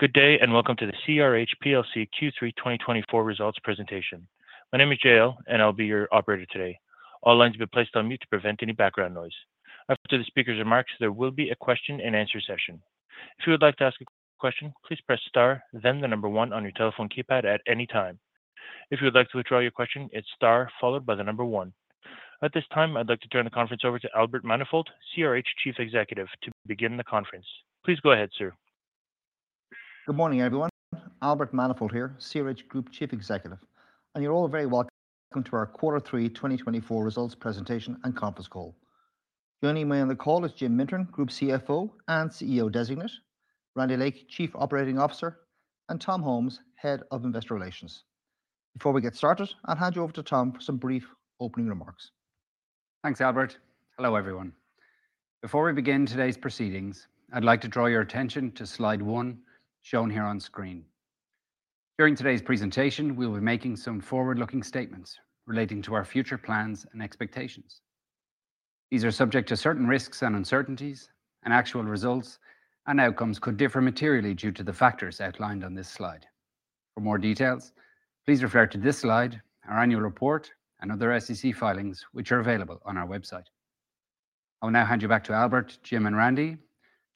Good day, and welcome to the CRH PLC Q3 2024 Results Presentation. My name is Jael, and I'll be your operator today. All lines have been placed on mute to prevent any background noise. After the speaker's remarks, there will be a question-and-answer session. If you would like to ask a question, please press star, then the number one on your telephone keypad at any time. If you would like to withdraw your question, it's star followed by the number one. At this time, I'd like to turn the conference over to Albert Manifold, CRH Chief Executive, to begin the conference. Please go ahead, sir. Good morning, everyone. Albert Manifold here, CRH Group Chief Executive. And you're all very welcome to our Q3 2024 Results Presentation and Conference call. Joining me on the call is Jim Mintern, Group CFO and CEO Designate, Randy Lake, Chief Operating Officer, and Tom Holmes, Head of Investor Relations. Before we get started, I'll hand you over to Tom for some brief opening remarks. Thanks, Albert. Hello, everyone. Before we begin today's proceedings, I'd like to draw your attention to slide one shown here on screen. During today's presentation, we will be making some forward-looking statements relating to our future plans and expectations. These are subject to certain risks and uncertainties, and actual results and outcomes could differ materially due to the factors outlined on this slide. For more details, please refer to this slide, our annual report, and other SEC filings, which are available on our website. I will now hand you back to Albert, Jim, and Randy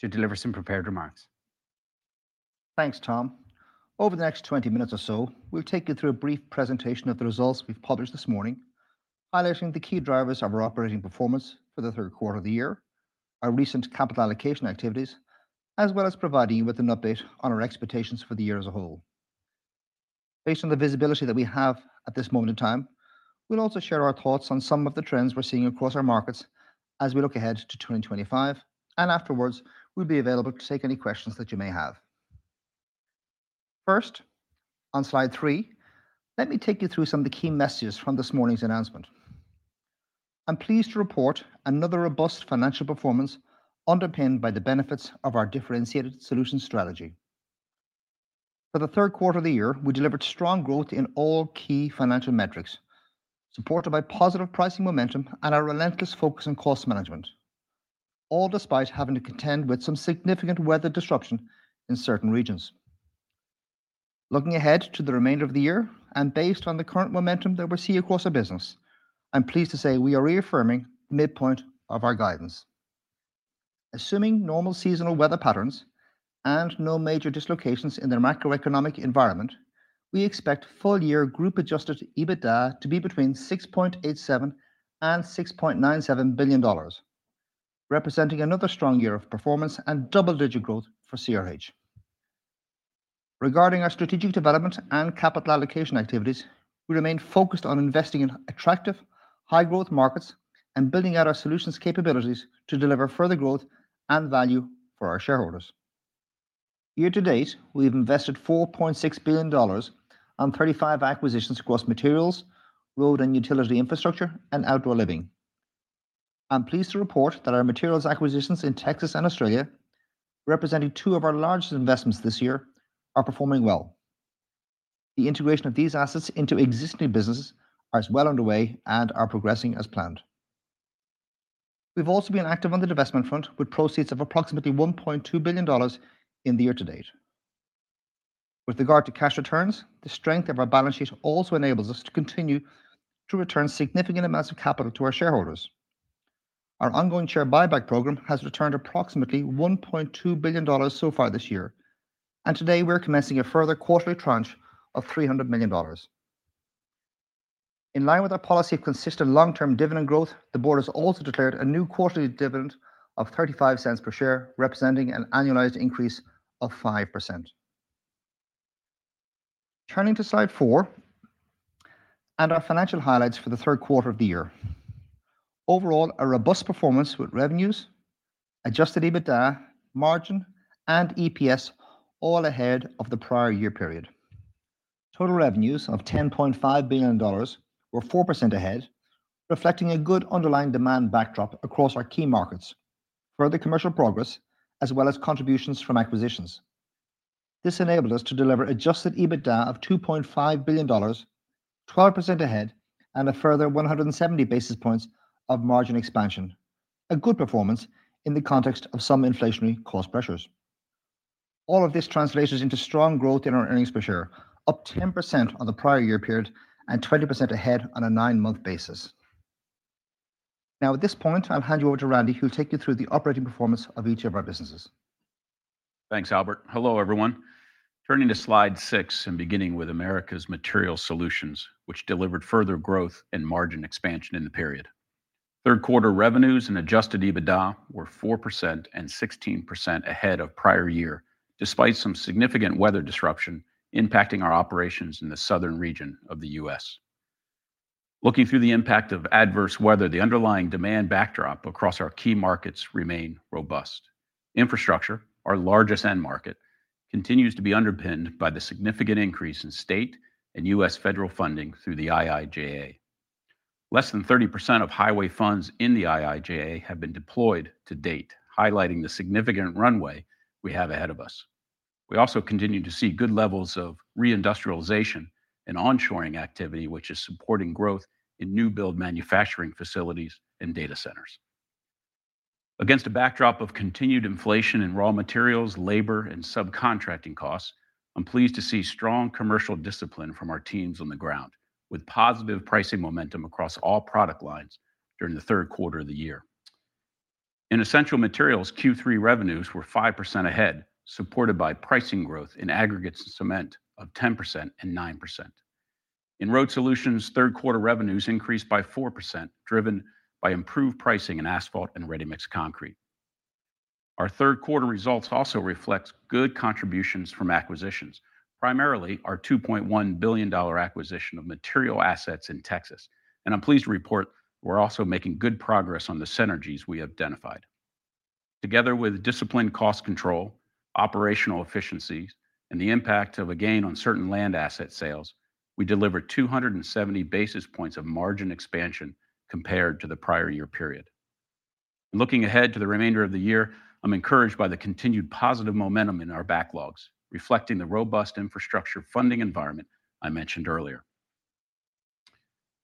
to deliver some prepared remarks. Thanks, Tom. Over the next 20 minutes or so, we'll take you through a brief presentation of the results we've published this morning, highlighting the key drivers of our operating performance for the Q3 of the year, our recent capital allocation activities, as well as providing you with an update on our expectations for the year as a whole. Based on the visibility that we have at this moment in time, we'll also share our thoughts on some of the trends we're seeing across our markets as we look ahead to 2025, and afterwards, we'll be available to take any questions that you may have. First, on slide three, let me take you through some of the key messages from this morning's announcement. I'm pleased to report another robust financial performance underpinned by the benefits of our differentiated solution strategy. For the Q3 of the year, we delivered strong growth in all key financial metrics, supported by positive pricing momentum and our relentless focus on cost management, all despite having to contend with some significant weather disruption in certain regions. Looking ahead to the remainder of the year and based on the current momentum that we see across our business, I'm pleased to say we are reaffirming the midpoint of our guidance. Assuming normal seasonal weather patterns and no major dislocations in the macroeconomic environment, we expect full-year group Adjusted EBITDA to be between $6.87 and $6.97 billion, representing another strong year of performance and double-digit growth for CRH. Regarding our strategic development and capital allocation activities, we remain focused on investing in attractive, high-growth markets and building out our solutions' capabilities to deliver further growth and value for our shareholders. Year to date, we've invested $4.6 billion on 35 acquisitions across materials, road and utility infrastructure, and outdoor living. I'm pleased to report that our materials acquisitions in Texas and Australia, representing two of our largest investments this year, are performing well. The integration of these assets into existing businesses is well underway and are progressing as planned. We've also been active on the investment front with proceeds of approximately $1.2 billion in the year to date. With regard to cash returns, the strength of our balance sheet also enables us to continue to return significant amounts of capital to our shareholders. Our ongoing share buyback program has returned approximately $1.2 billion so far this year, and today we're commencing a further quarterly tranche of $300 million. In line with our policy of consistent long-term dividend growth, the board has also declared a new quarterly dividend of $0.35 per share, representing an annualized increase of 5%. Turning to slide four and our financial highlights for the Q3 of the year. Overall, a robust performance with revenues, Adjusted EBITDA, margin, and EPS all ahead of the prior year period. Total revenues of $10.5 billion were 4% ahead, reflecting a good underlying demand backdrop across our key markets, further commercial progress, as well as contributions from acquisitions. This enabled us to deliver Adjusted EBITDA of $2.5 billion, 12% ahead, and a further 170 basis points of margin expansion, a good performance in the context of some inflationary cost pressures. All of this translates into strong growth in our earnings per share, up 10% on the prior year period and 20% ahead on a nine-month basis. Now, at this point, I'll hand you over to Randy, who'll take you through the operating performance of each of our businesses. Thanks, Albert. Hello, everyone. Turning to slide six and beginning with Americas Materials Solutions, which delivered further growth and margin expansion in the period. Q3 revenues and adjusted EBITDA were 4% and 16% ahead of prior year, despite some significant weather disruption impacting our operations in the southern region of the U.S. Looking through the impact of adverse weather, the underlying demand backdrop across our key markets remained robust. Infrastructure, our largest end market, continues to be underpinned by the significant increase in state and U.S. federal funding through the IIJA. Less than 30% of highway funds in the IIJA have been deployed to date, highlighting the significant runway we have ahead of us. We also continue to see good levels of reindustrialization and onshoring activity, which is supporting growth in new-build manufacturing facilities and data centers. Against a backdrop of continued inflation in raw materials, labor, and subcontracting costs, I'm pleased to see strong commercial discipline from our teams on the ground, with positive pricing momentum across all product lines during the Q3 of the year. In Essential Materials, Q3 revenues were 5% ahead, supported by pricing growth in aggregates and cement of 10% and 9%. In Road Solutions, Q3 revenues increased by 4%, driven by improved pricing in asphalt and ready-mix concrete. Our Q3 results also reflect good contributions from acquisitions, primarily our $2.1 billion acquisition of materials assets in Texas, and I'm pleased to report we're also making good progress on the synergies we have identified. Together with disciplined cost control, operational efficiencies, and the impact of a gain on certain land asset sales, we delivered 270 basis points of margin expansion compared to the prior year period. Looking ahead to the remainder of the year, I'm encouraged by the continued positive momentum in our backlogs, reflecting the robust infrastructure funding environment I mentioned earlier.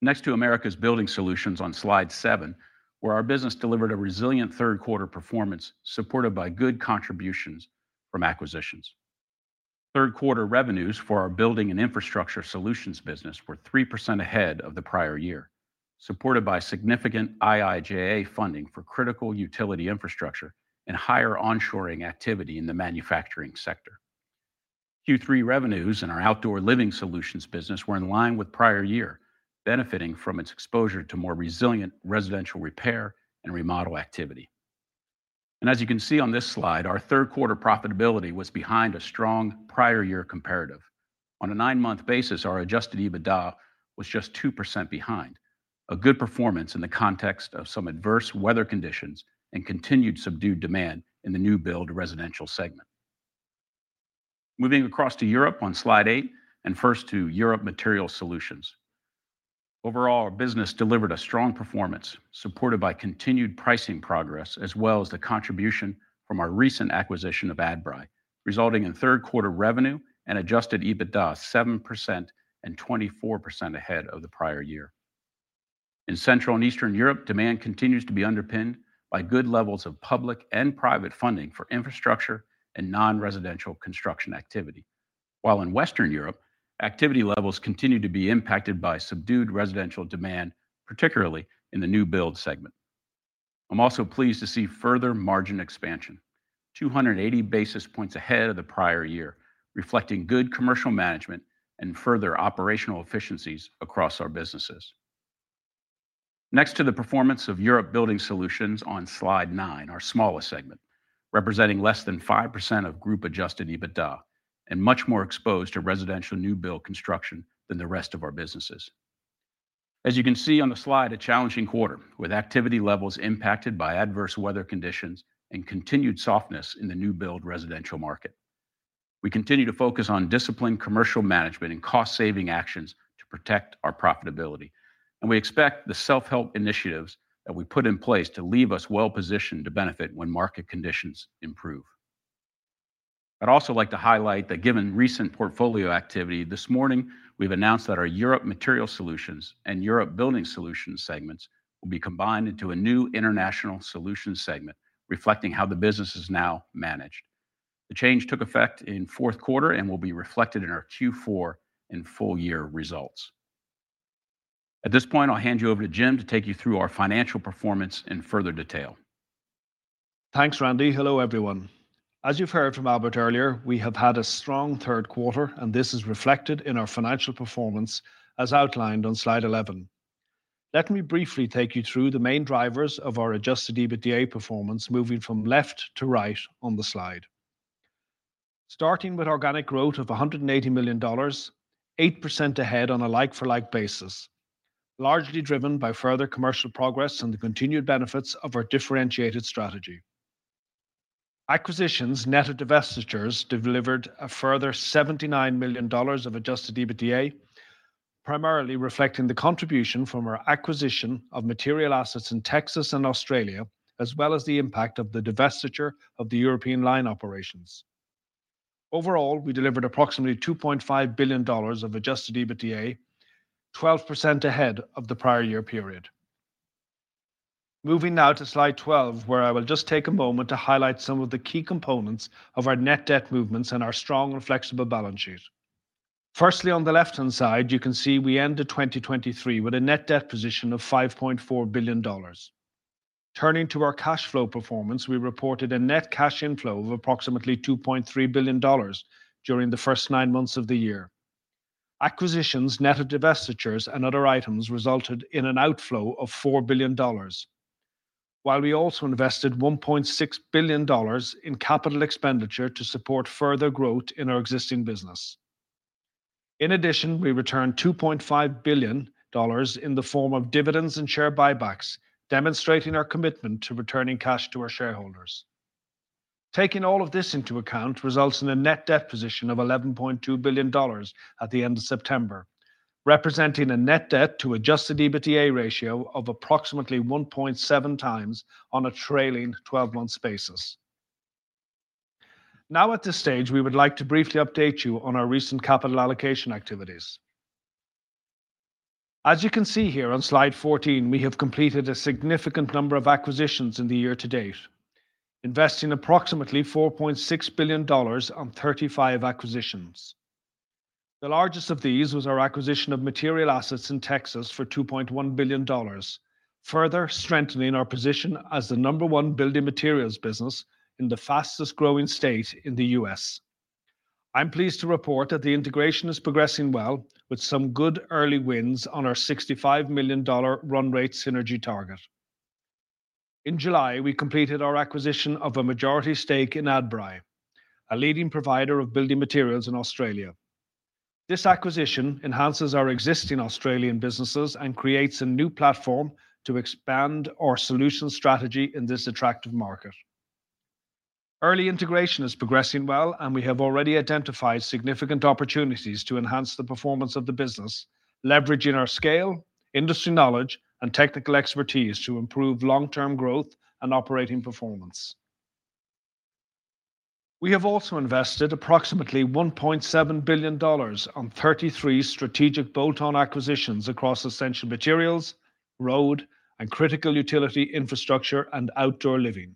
Next, to Americas Building Solutions on slide seven, where our business delivered a resilient Q3 performance supported by good contributions from acquisitions. Q3 revenues for our Building and Infrastructure Solutions business were 3% ahead of the prior year, supported by significant IIJA funding for critical utility infrastructure and higher onshoring activity in the manufacturing sector. Q3 revenues in our Outdoor Living Solutions business were in line with prior year, benefiting from its exposure to more resilient residential repair and remodel activity, and as you can see on this slide, our Q3 profitability was behind a strong prior year comparative. On a nine-month basis, our adjusted EBITDA was just 2% behind, a good performance in the context of some adverse weather conditions and continued subdued demand in the new-build residential segment. Moving across to Europe on slide eight and first to Europe Materials Solutions. Overall, our business delivered a strong performance supported by continued pricing progress, as well as the contribution from our recent acquisition of Adbri, resulting in Q3 revenue and adjusted EBITDA 7% and 24% ahead of the prior year. In Central and Eastern Europe, demand continues to be underpinned by good levels of public and private funding for infrastructure and non-residential construction activity, while in Western Europe, activity levels continue to be impacted by subdued residential demand, particularly in the new-build segment. I'm also pleased to see further margin expansion, 280 basis points ahead of the prior year, reflecting good commercial management and further operational efficiencies across our businesses. Next, the performance of Europe Building Solutions on slide nine, our smallest segment, representing less than 5% of group-adjusted EBITDA and much more exposed to residential new-build construction than the rest of our businesses. As you can see on the slide, a challenging quarter with activity levels impacted by adverse weather conditions and continued softness in the new-build residential market. We continue to focus on disciplined commercial management and cost-saving actions to protect our profitability, and we expect the self-help initiatives that we put in place to leave us well-positioned to benefit when market conditions improve. I'd also like to highlight that given recent portfolio activity this morning, we've announced that our Europe Materials Solutions and Europe Building Solutions segments will be combined into a new International Solutions segment, reflecting how the business is now managed. The change took effect in Q4 and will be reflected in our Q4 and full-year results. At this point, I'll hand you over to Jim to take you through our financial performance in further detail. Thanks, Randy. Hello, everyone. As you've heard from Albert earlier, we have had a strong Q3, and this is reflected in our financial performance as outlined on slide 11. Let me briefly take you through the main drivers of our adjusted EBITDA performance moving from left to right on the slide. Starting with organic growth of $180 million, 8% ahead on a like-for-like basis, largely driven by further commercial progress and the continued benefits of our differentiated strategy. Acquisitions net of divestitures delivered a further $79 million of adjusted EBITDA, primarily reflecting the contribution from our acquisition of material assets in Texas and Australia, as well as the impact of the divestiture of the European lime operations. Overall, we delivered approximately $2.5 billion of adjusted EBITDA, 12% ahead of the prior year period. Moving now to slide 12, where I will just take a moment to highlight some of the key components of our net debt movements and our strong and flexible balance sheet. Firstly, on the left-hand side, you can see we ended 2023 with a net debt position of $5.4 billion. Turning to our cash flow performance, we reported a net cash inflow of approximately $2.3 billion during the first nine months of the year. Acquisitions net of divestitures and other items resulted in an outflow of $4 billion, while we also invested $1.6 billion in capital expenditure to support further growth in our existing business. In addition, we returned $2.5 billion in the form of dividends and share buybacks, demonstrating our commitment to returning cash to our shareholders. Taking all of this into account results in a net debt position of $11.2 billion at the end of September, representing a net debt to Adjusted EBITDA ratio of approximately 1.7 times on a trailing 12-month basis. Now, at this stage, we would like to briefly update you on our recent capital allocation activities. As you can see here on slide 14, we have completed a significant number of acquisitions in the year to date, investing approximately $4.6 billion on 35 acquisitions. The largest of these was our acquisition of materials assets in Texas for $2.1 billion, further strengthening our position as the number one building materials business in the fastest-growing state in the U.S. I'm pleased to report that the integration is progressing well, with some good early wins on our $65 million run-rate synergy target. In July, we completed our acquisition of a majority stake in Adbri, a leading provider of building materials in Australia. This acquisition enhances our existing Australian businesses and creates a new platform to expand our solution strategy in this attractive market. Early integration is progressing well, and we have already identified significant opportunities to enhance the performance of the business, leveraging our scale, industry knowledge, and technical expertise to improve long-term growth and operating performance. We have also invested approximately $1.7 billion on 33 strategic bolt-on acquisitions across Essential Materials, road, and critical utility infrastructure and outdoor living.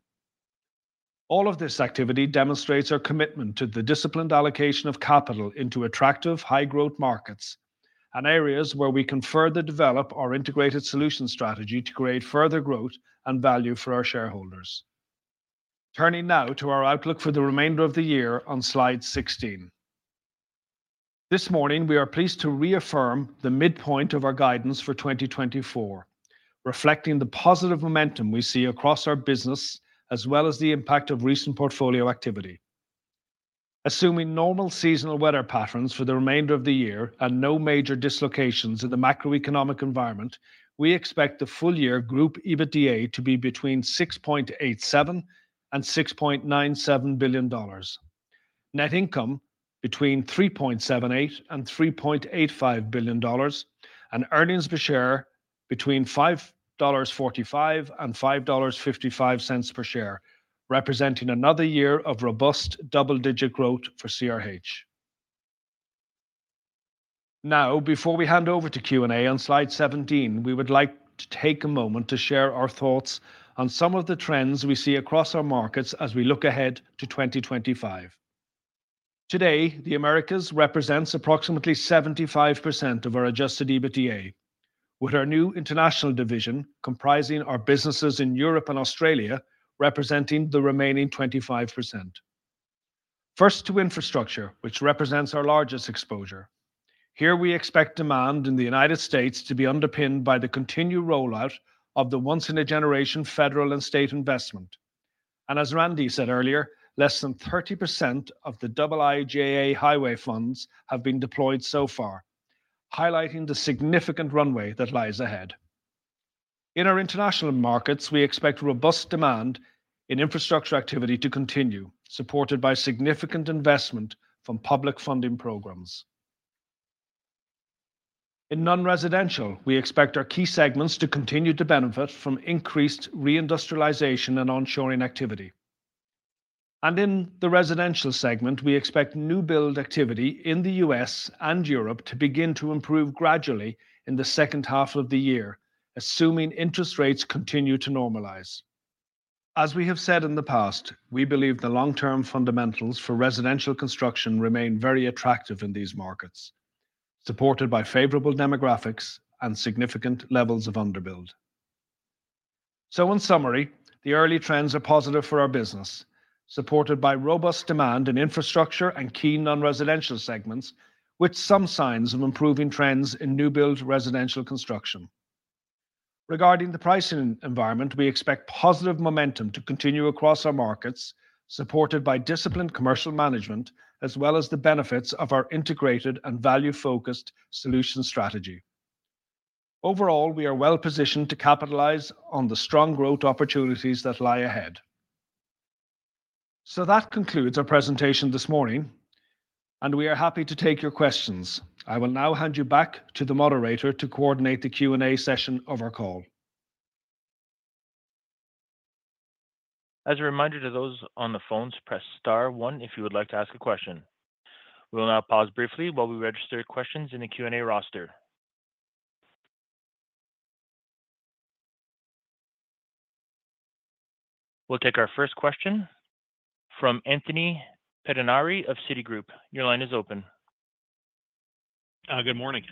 All of this activity demonstrates our commitment to the disciplined allocation of capital into attractive, high-growth markets and areas where we can further develop our integrated solution strategy to create further growth and value for our shareholders. Turning now to our outlook for the remainder of the year on slide 16. This morning, we are pleased to reaffirm the midpoint of our guidance for 2024, reflecting the positive momentum we see across our business, as well as the impact of recent portfolio activity. Assuming normal seasonal weather patterns for the remainder of the year and no major dislocations in the macroeconomic environment, we expect the full-year group EBITDA to be between $6.87 and $6.97 billion, net income between $3.78 and $3.85 billion, and earnings per share between $5.45 and $5.55 per share, representing another year of robust double-digit growth for CRH. Now, before we hand over to Q&A on slide 17, we would like to take a moment to share our thoughts on some of the trends we see across our markets as we look ahead to 2025. Today, the Americas represents approximately 75% of our adjusted EBITDA, with our new international division comprising our businesses in Europe and Australia representing the remaining 25%. First, to infrastructure, which represents our largest exposure. Here, we expect demand in the United States to be underpinned by the continued rollout of the once-in-a-generation federal and state investment, and as Randy said earlier, less than 30% of the IIJA highway funds have been deployed so far, highlighting the significant runway that lies ahead. In our international markets, we expect robust demand in infrastructure activity to continue, supported by significant investment from public funding programs. In non-residential, we expect our key segments to continue to benefit from increased reindustrialization and onshoring activity. In the residential segment, we expect new-build activity in the U.S. and Europe to begin to improve gradually in the second half of the year, assuming interest rates continue to normalize. As we have said in the past, we believe the long-term fundamentals for residential construction remain very attractive in these markets, supported by favorable demographics and significant levels of underbuilt. In summary, the early trends are positive for our business, supported by robust demand in infrastructure and key non-residential segments, with some signs of improving trends in new-build residential construction. Regarding the pricing environment, we expect positive momentum to continue across our markets, supported by disciplined commercial management, as well as the benefits of our integrated and value-focused solution strategy. Overall, we are well-positioned to capitalize on the strong growth opportunities that lie ahead. So, that concludes our presentation this morning, and we are happy to take your questions. I will now hand you back to the moderator to coordinate the Q&A session of our call. As a reminder to those on the phones, press star one if you would like to ask a question. We'll now pause briefly while we register questions in the Q&A roster. We'll take our first question from Anthony Pettinari of Citigroup. Your line is open. Good morning.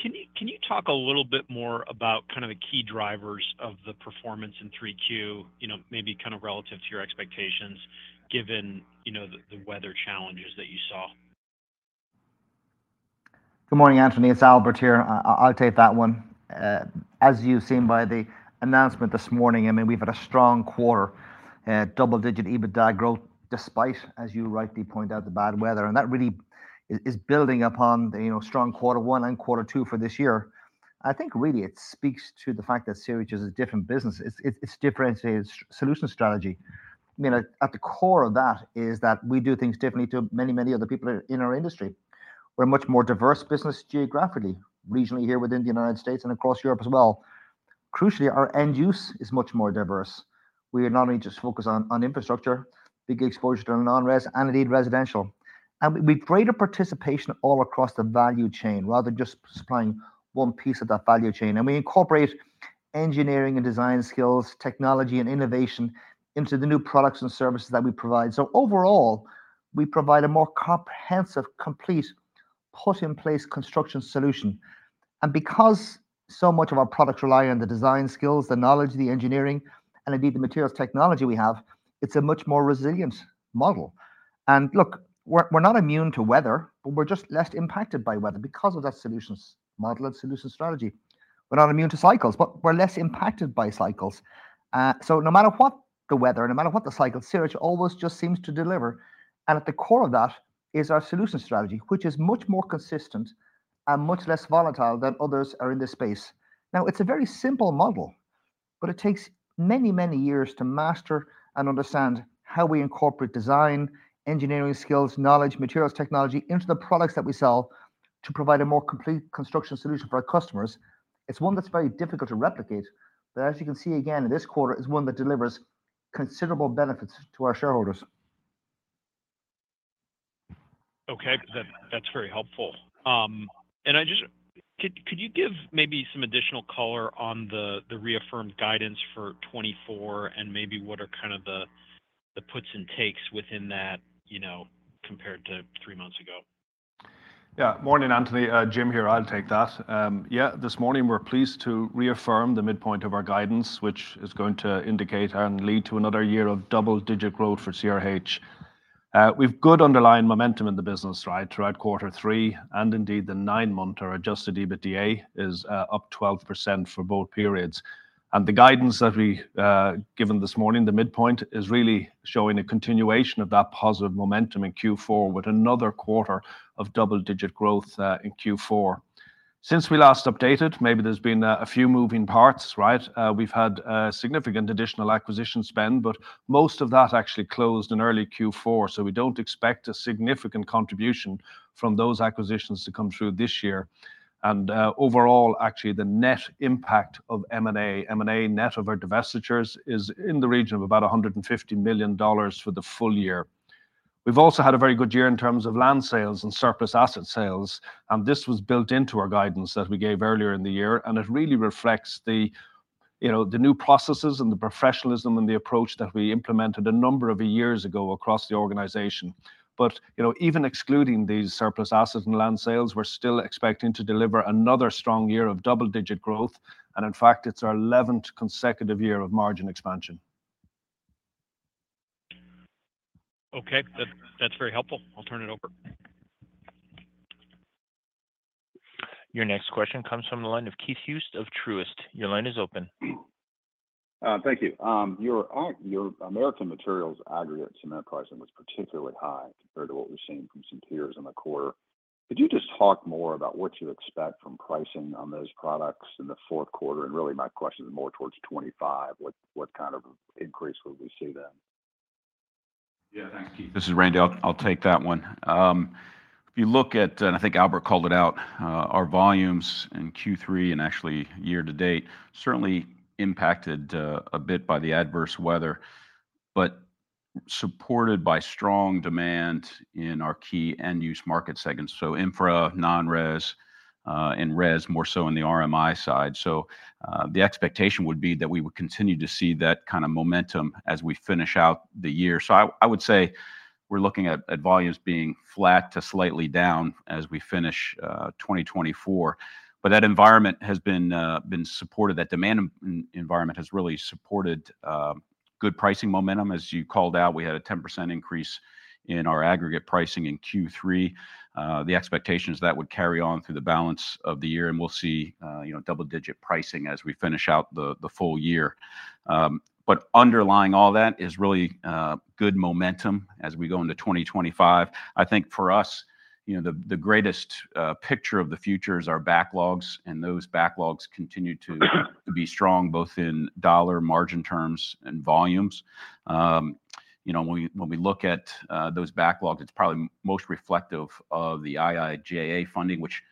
Can you talk a little bit more about kind of the key drivers of the performance in 3Q, maybe kind of relative to your expectations, given the weather challenges that you saw? Good morning, Anthony. It's Albert here. I'll take that one. As you've seen by the announcement this morning, I mean, we've had a strong quarter, double-digit EBITDA growth despite, as you rightly point out, the bad weather, and that really is building upon strong Q1 and Q2 for this year. I think really it speaks to the fact that CRH is a different business. It's differentiated solution strategy. I mean, at the core of that is that we do things differently to many, many other people in our industry. We're a much more diverse business geographically, regionally here within the United States and across Europe as well. Crucially, our end use is much more diverse. We are not only just focused on infrastructure, big exposure to non-res and indeed residential. And we've greater participation all across the value chain rather than just supplying one piece of that value chain. And we incorporate engineering and design skills, technology, and innovation into the new products and services that we provide. So, overall, we provide a more comprehensive, complete, put-in-place construction solution. And because so much of our products rely on the design skills, the knowledge, the engineering, and indeed the materials technology we have, it's a much more resilient model. And look, we're not immune to weather, but we're just less impacted by weather because of that solution's model and solution strategy. We're not immune to cycles, but we're less impacted by cycles. So, no matter what the weather, no matter what the cycle, CRH always just seems to deliver. And at the core of that is our solution strategy, which is much more consistent and much less volatile than others are in this space. Now, it's a very simple model, but it takes many, many years to master and understand how we incorporate design, engineering skills, knowledge, materials technology into the products that we sell to provide a more complete construction solution for our customers. It's one that's very difficult to replicate, but as you can see again in this quarter, it's one that delivers considerable benefits to our shareholders. Okay. That's very helpful. And could you give maybe some additional color on the reaffirmed guidance for 2024 and maybe what are kind of the puts and takes within that compared to three months ago? Yeah. Morning, Anthony. Jim here. I'll take that. Yeah. This morning, we're pleased to reaffirm the midpoint of our guidance, which is going to indicate and lead to another year of double-digit growth for CRH. We've good underlying momentum in the business, right? Throughout Q3, and indeed the nine-month Adjusted EBITDA is up 12% for both periods, and the guidance that we given this morning, the midpoint, is really showing a continuation of that positive momentum in Q4 with another quarter of double-digit growth in Q4. Since we last updated, maybe there's been a few moving parts, right? We've had significant additional acquisition spend, but most of that actually closed in early Q4, so we don't expect a significant contribution from those acquisitions to come through this year. And overall, actually, the net impact of M&A, M&A net of our divestitures, is in the region of about $150 million for the full year. We've also had a very good year in terms of land sales and surplus asset sales. And this was built into our guidance that we gave earlier in the year. And it really reflects the new processes and the professionalism and the approach that we implemented a number of years ago across the organization. But even excluding these surplus assets and land sales, we're still expecting to deliver another strong year of double-digit growth. And in fact, it's our 11th consecutive year of margin expansion. Okay. That's very helpful. I'll turn it over. Your next question comes from the line of Keith Hughes of Truist. Your line is open. Thank you. Your Americas materials aggregates segment pricing was particularly high compared to what we've seen from some peers in the quarter. Could you just talk more about what you expect from pricing on those products in the Q4? And really, my question is more towards 2025. What kind of increase will we see then? Yeah. Thanks, Keith. This is Randy. I'll take that one. If you look at, and I think Albert called it out, our volumes in Q3 and actually year to date certainly impacted a bit by the adverse weather, but supported by strong demand in our key end-use market segments, so infra, non-res, and res more so on the RMI side. So, the expectation would be that we would continue to see that kind of momentum as we finish out the year. So, I would say we're looking at volumes being flat to slightly down as we finish 2024, but that environment has been supported. That demand environment has really supported good pricing momentum. As you called out, we had a 10% increase in our aggregate pricing in Q3. The expectation is that would carry on through the balance of the year, and we'll see double-digit pricing as we finish out the full year. Underlying all that is really good momentum as we go into 2025. I think for us, the greatest picture of the future is our backlogs. Those backlogs continue to be strong both in dollar margin terms and volumes. When we look at those backlogs, it's probably most reflective of the IIJA funding, which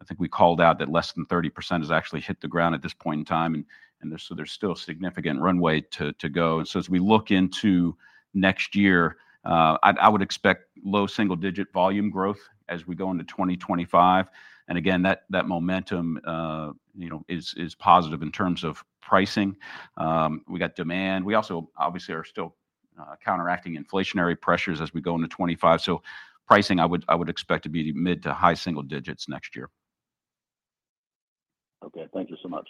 I think we called out that less than 30% has actually hit the ground at this point in time. There's still significant runway to go. As we look into next year, I would expect low single-digit volume growth as we go into 2025. Again, that momentum is positive in terms of pricing. We got demand. We also, obviously, are still counteracting inflationary pressures as we go into 2025. Pricing, I would expect to be mid to high single digits next year. Okay. Thank you so much.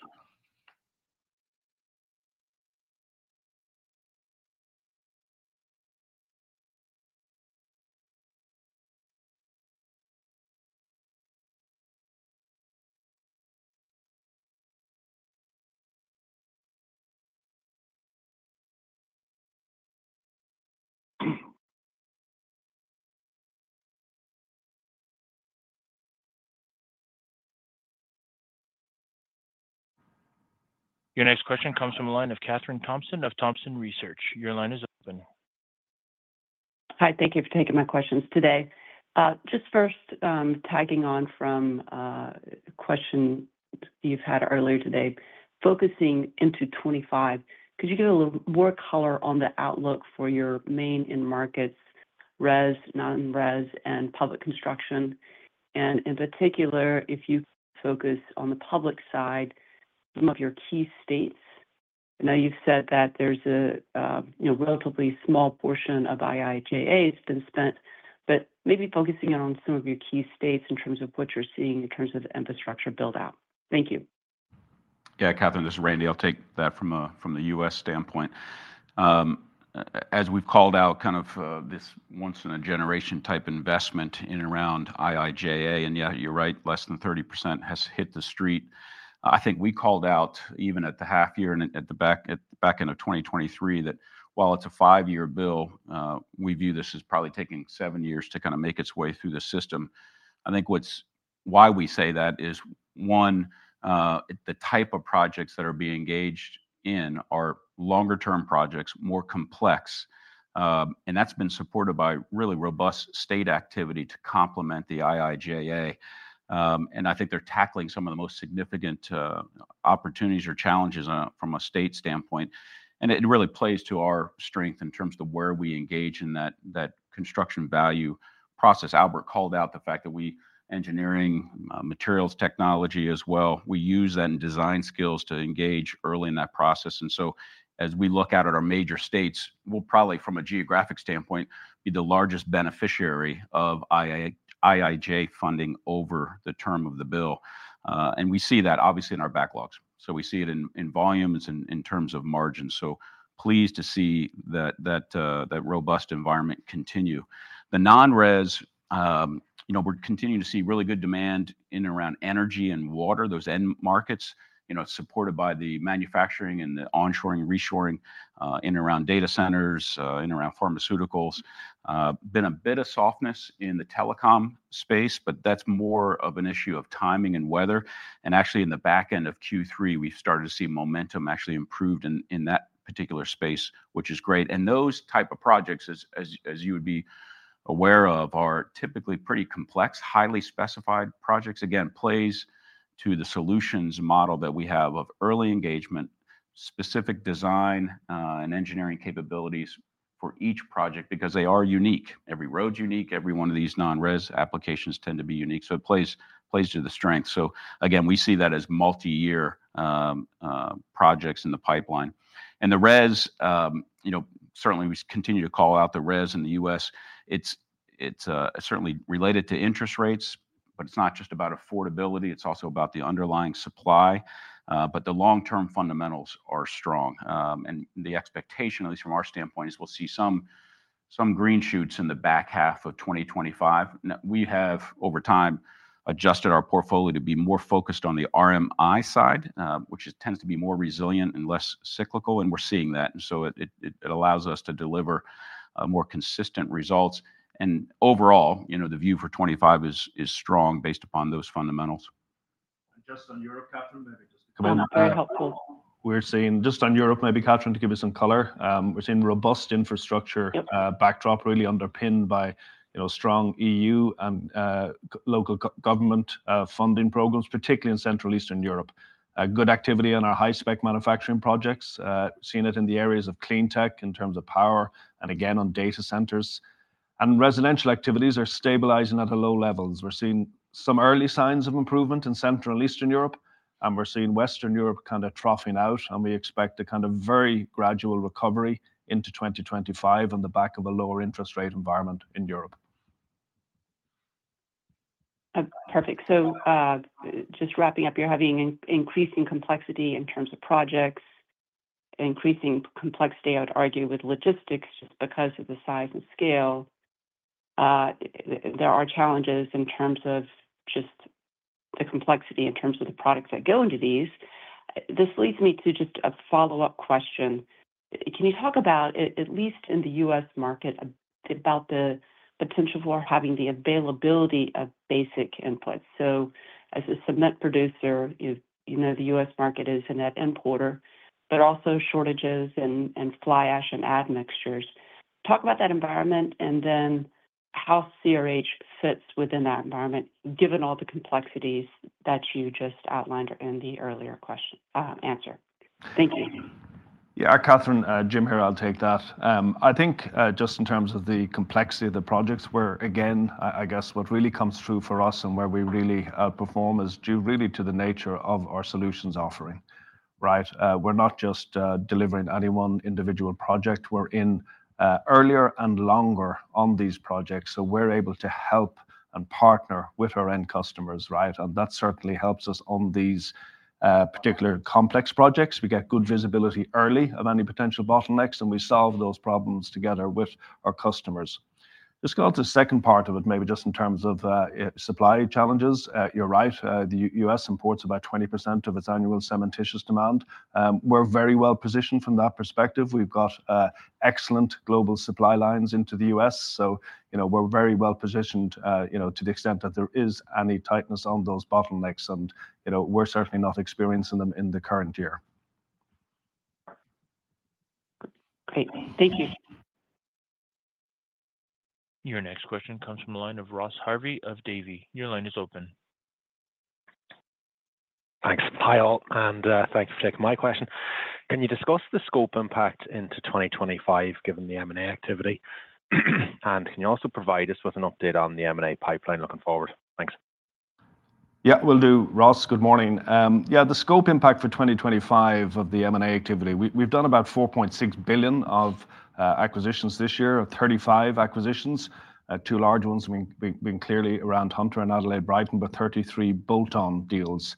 Your next question comes from the line of Kathryn Thompson of Thompson Research Group. Your line is open. Hi. Thank you for taking my questions today. Just first, tagging on from a question you've had earlier today, focusing into 2025, could you give a little more color on the outlook for your main end-markets, res, non-res, and public construction, and in particular, if you focus on the public side, some of your key states. I know you've said that there's a relatively small portion of IIJA has been spent, but maybe focusing on some of your key states in terms of what you're seeing in terms of infrastructure build-out. Thank you. Yeah. Kathryn, this is Randy. I'll take that from the U.S. standpoint. As we've called out kind of this once-in-a-generation type investment in and around IIJA, and yeah, you're right, less than 30% has hit the street. I think we called out even at the half year and at the back end of 2023 that while it's a five-year bill, we view this as probably taking seven years to kind of make its way through the system. I think why we say that is, one, the type of projects that are being engaged in are longer-term projects, more complex. And that's been supported by really robust state activity to complement the IIJA. And I think they're tackling some of the most significant opportunities or challenges from a state standpoint. And it really plays to our strength in terms of where we engage in that construction value process. Albert called out the fact that we have engineering materials technology as well. We use that in design skills to engage early in that process, and so as we look at our major states, we'll probably, from a geographic standpoint, be the largest beneficiary of IIJA funding over the term of the bill. We see that obviously in our backlogs, so we see it in volumes and in terms of margin, so pleased to see that robust environment continue. The non-res, we're continuing to see really good demand in and around energy and water, those end markets, supported by the manufacturing and the onshoring, reshoring in and around data centers, in and around pharmaceuticals. Been a bit of softness in the telecom space, but that's more of an issue of timing and weather. Actually, in the back end of Q3, we've started to see momentum actually improved in that particular space, which is great. Those type of projects, as you would be aware of, are typically pretty complex, highly specified projects. Again, plays to the solutions model that we have of early engagement, specific design, and engineering capabilities for each project because they are unique. Every road's unique. Every one of these non-res applications tend to be unique. It plays to the strength. Again, we see that as multi-year projects in the pipeline. The res, certainly, we continue to call out the res in the U.S. It's certainly related to interest rates, but it's not just about affordability. It's also about the underlying supply. The long-term fundamentals are strong. The expectation, at least from our standpoint, is we'll see some green shoots in the back half of 2025. We have, over time, adjusted our portfolio to be more focused on the RMI side, which tends to be more resilient and less cyclical. We're seeing that. It allows us to deliver more consistent results. Overall, the view for 2025 is strong based upon those fundamentals. Just on Europe, Kathryn, maybe just a quick comment. Very helpful. We're seeing just on Europe, maybe, Kathryn, to give you some color. We're seeing robust infrastructure backdrop, really underpinned by strong EU and local government funding programs, particularly in Central and Eastern Europe. Good activity on our high-spec manufacturing projects. Seeing it in the areas of clean tech in terms of power and, again, on data centers, and residential activities are stabilizing at a low level. We're seeing some early signs of improvement in Central and Eastern Europe, and we're seeing Western Europe kind of troughing out, and we expect a kind of very gradual recovery into 2025 on the back of a lower interest rate environment in Europe. Perfect. So, just wrapping up here, having increasing complexity in terms of projects, increasing complexity, I would argue, with logistics just because of the size and scale. There are challenges in terms of just the complexity in terms of the products that go into these. This leads me to just a follow-up question. Can you talk about, at least in the U.S. market, about the potential for having the availability of basic inputs? So, as a cement producer, the U.S. market is in that end quarter, but also shortages and fly ash and admixtures. Talk about that environment and then how CRH fits within that environment, given all the complexities that you just outlined in the earlier answer. Thank you. Yeah. Kathryn, Jim here. I'll take that. I think just in terms of the complexity of the projects, where, again, I guess what really comes through for us and where we really perform is due really to the nature of our solutions offering, right? We're not just delivering any one individual project. We're in earlier and longer on these projects. So, we're able to help and partner with our end customers, right? And that certainly helps us on these particular complex projects. We get good visibility early of any potential bottlenecks, and we solve those problems together with our customers. Just going to the second part of it, maybe just in terms of supply challenges. You're right. The U.S. imports about 20% of its annual cementitious demand. We're very well positioned from that perspective. We've got excellent global supply lines into the U.S. So, we're very well positioned to the extent that there is any tightness on those bottlenecks. And we're certainly not experiencing them in the current year. Great. Thank you. Your next question comes from the line of Ross Harvey of Davy. Your line is open. Thanks, Jael. And thanks for taking my question. Can you discuss the scope impact into 2025 given the M&A activity? And can you also provide us with an update on the M&A pipeline looking forward? Thanks. Yeah, will do. Ross, good morning. Yeah, the scope impact for 2025 of the M&A activity, we've done about $4.6 billion of acquisitions this year, 35 acquisitions. Two large ones being clearly around Hunter and Adelaide Brighton, but 33 bolt-on deals.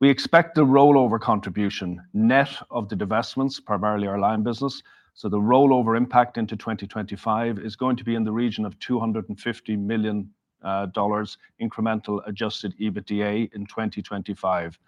We expect the rollover contribution net of the divestments, primarily our lime business. So, the rollover impact into 2025 is going to be in the region of $250 million incremental Adjusted EBITDA in 2025.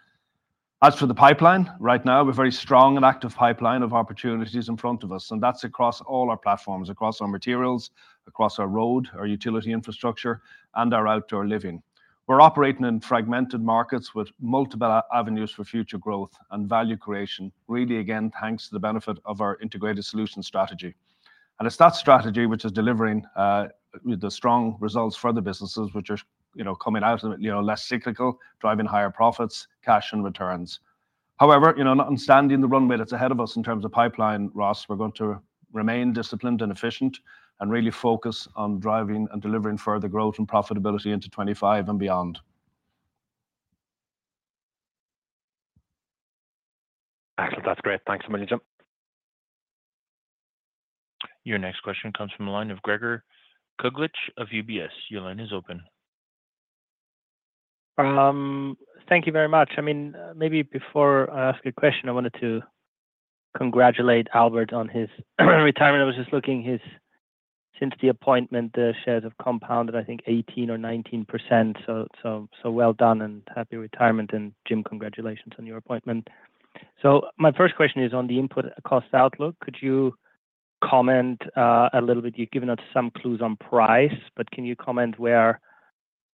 As for the pipeline, right now, we're very strong and active pipeline of opportunities in front of us. And that's across all our platforms, across our materials, across our road, our utility infrastructure, and our outdoor living. We're operating in fragmented markets with multiple avenues for future growth and value creation, really, again, thanks to the benefit of our integrated solution strategy. And it's that strategy which is delivering the strong results for the businesses, which are coming out less cyclical, driving higher profits, cash, and returns. However, not understanding the runway that's ahead of us in terms of pipeline, Ross, we're going to remain disciplined and efficient and really focus on driving and delivering further growth and profitability into 2025 and beyond. Excellent. That's great. Thanks so much, Jim. Your next question comes from the line of Gregor Kuglitsch of UBS. Your line is open. Thank you very much. I mean, maybe before I ask a question, I wanted to congratulate Albert on his retirement. I was just looking at his, since the appointment, the shares have compounded, I think, 18% or 19%, so well done and happy retirement, and Jim, congratulations on your appointment, so my first question is on the input cost outlook. Could you comment a little bit? You've given us some clues on price, but can you comment where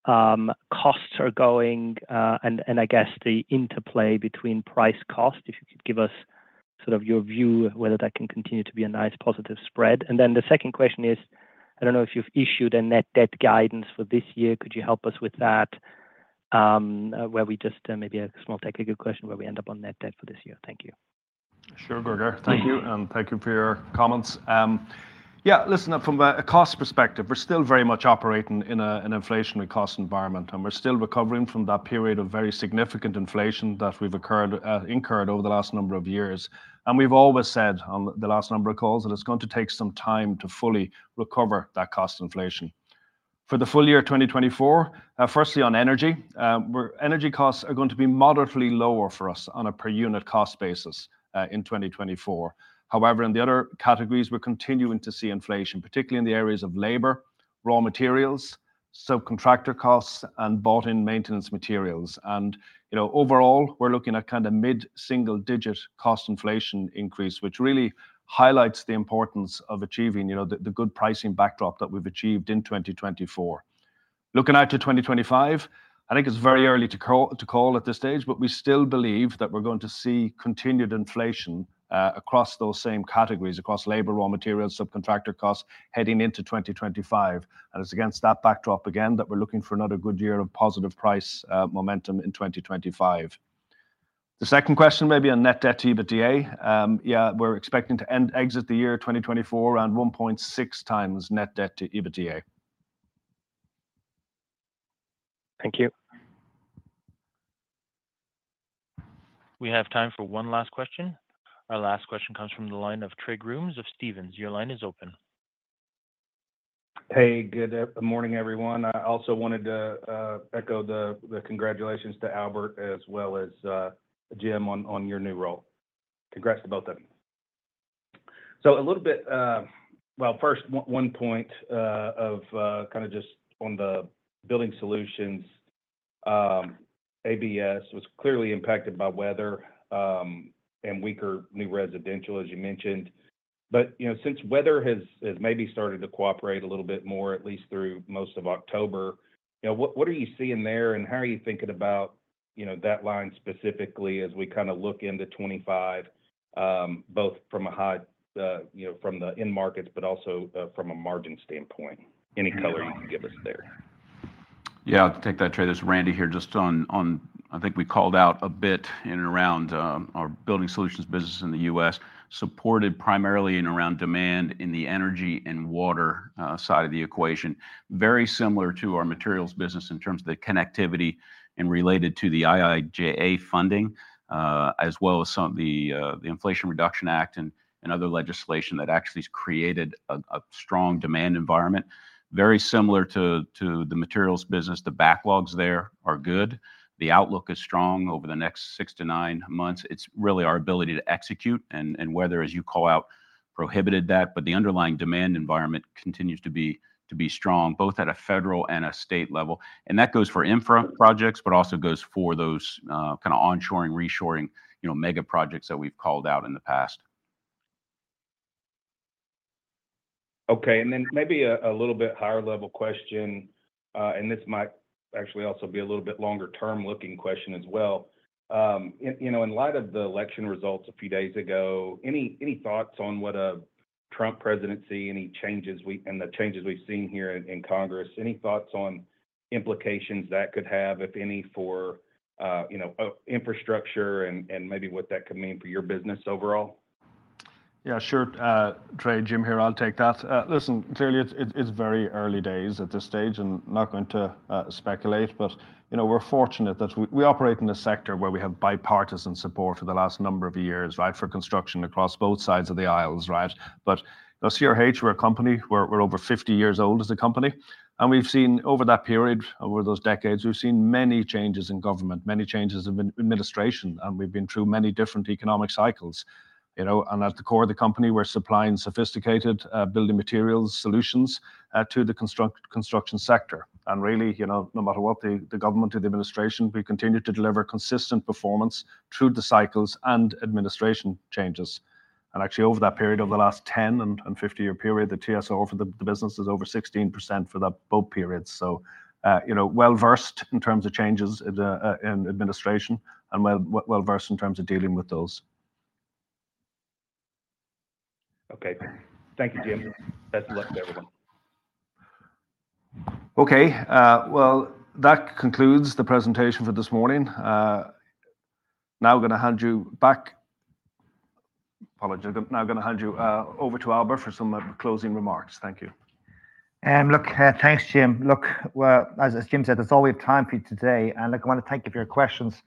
costs are going and, I guess, the interplay between price cost, if you could give us sort of your view, whether that can continue to be a nice positive spread, and then the second question is, I don't know if you've issued a net debt guidance for this year. Could you help us with that, where we just maybe a small technical question, where we end up on net debt for this year? Thank you. Sure, Gregor. Thank you. And thank you for your comments. Yeah, listen, from a cost perspective, we're still very much operating in an inflationary cost environment. And we're still recovering from that period of very significant inflation that we've incurred over the last number of years. And we've always said on the last number of calls that it's going to take some time to fully recover that cost inflation. For the full year 2024, firstly, on energy, energy costs are going to be moderately lower for us on a per unit cost basis in 2024. However, in the other categories, we're continuing to see inflation, particularly in the areas of labor, raw materials, subcontractor costs, and bought-in maintenance materials. And overall, we're looking at kind of mid-single-digit cost inflation increase, which really highlights the importance of achieving the good pricing backdrop that we've achieved in 2024. Looking out to 2025, I think it's very early to call at this stage, but we still believe that we're going to see continued inflation across those same categories, across labor, raw materials, subcontractor costs heading into 2025, and it's against that backdrop, again, that we're looking for another good year of positive price momentum in 2025. The second question, maybe on net debt to EBITDA. Yeah, we're expecting to exit the year 2024 around 1.6 times net debt to EBITDA. Thank you. We have time for one last question. Our last question comes from the line of Trey Grooms of Stephens. Your line is open. Hey, good morning, everyone. I also wanted to echo the congratulations to Albert as well as Jim on your new role. Congrats to both of you. So, a little bit, well, first, one point of kind of just on the building solutions. ABS was clearly impacted by weather and weaker new residential, as you mentioned. But since weather has maybe started to cooperate a little bit more, at least through most of October, what are you seeing there? And how are you thinking about that line specifically as we kind of look into 2025, both from a high from the end markets, but also from a margin standpoint? Any color you can give us there? Yeah, I'll take that trade. This is Randy here just on, I think we called out a bit in and around our building solutions business in the U.S., supported primarily in around demand in the energy and water side of the equation. Very similar to our materials business in terms of the connectivity and related to the IIJA funding, as well as some of the Inflation Reduction Act and other legislation that actually has created a strong demand environment. Very similar to the materials business, the backlogs there are good. The outlook is strong over the next six to nine months. It's really our ability to execute. And weather, as you call out, prohibited that. But the underlying demand environment continues to be strong, both at a federal and a state level. That goes for infra projects, but also goes for those kind of onshoring, reshoring mega projects that we've called out in the past. Okay. And then maybe a little bit higher level question. And this might actually also be a little bit longer term looking question as well. In light of the election results a few days ago, any thoughts on what a Trump presidency, any changes and the changes we've seen here in Congress, any thoughts on implications that could have, if any, for infrastructure and maybe what that could mean for your business overall? Yeah, sure. Trey, Jim here. I'll take that. Listen, clearly, it's very early days at this stage and not going to speculate. But we're fortunate that we operate in a sector where we have bipartisan support for the last number of years, right, for construction across both sides of the aisles, right? But as CRH, we're a company. We're over 50 years old as a company. And we've seen over that period, over those decades, we've seen many changes in government, many changes in administration. And we've been through many different economic cycles. And at the core of the company, we're supplying sophisticated building materials solutions to the construction sector. And really, no matter what the government or the administration, we continue to deliver consistent performance through the cycles and administration changes. Actually, over that period of the last 10- and 50-year period, the TSR for the business is over 16% for both periods. Well versed in terms of changes in administration and well versed in terms of dealing with those. Okay. Thank you, Jim. Best of luck to everyone. Okay. Well, that concludes the presentation for this morning. Now I'm going to hand you back. Apologies. Now I'm going to hand you over to Albert for some closing remarks. Thank you. And look, thanks, Jim. Look, as Jim said, there's always time for you today. And look, I want to thank you for your questions.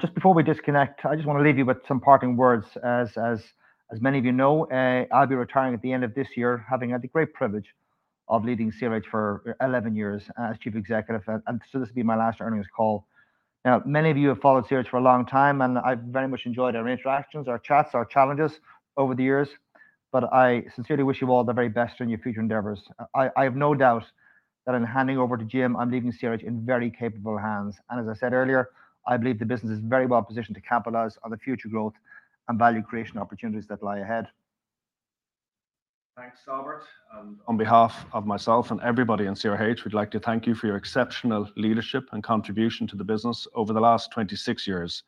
Just before we disconnect, I just want to leave you with some parting words. As many of you know, I'll be retiring at the end of this year, having had the great privilege of leading CRH for 11 years as Chief Executive. And so this will be my last earnings call. Now, many of you have followed CRH for a long time, and I've very much enjoyed our interactions, our chats, our challenges over the years. But I sincerely wish you all the very best in your future endeavors. I have no doubt that in handing over to Jim, I'm leaving CRH in very capable hands. As I said earlier, I believe the business is very well positioned to capitalize on the future growth and value creation opportunities that lie ahead. Thanks, Albert. On behalf of myself and everybody in CRH, we'd like to thank you for your exceptional leadership and contribution to the business over the last 26 years.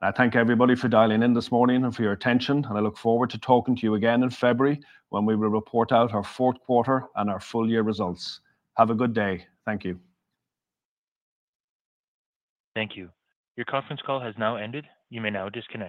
I thank everybody for dialing in this morning and for your attention. I look forward to talking to you again in February when we will report out our Q4 and our full year results. Have a good day. Thank you. Thank you. Your conference call has now ended. You may now disconnect.